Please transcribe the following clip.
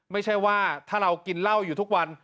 ไม่ใช่ว่าถ้าเรากินเหล้าอยู่ทุกวัน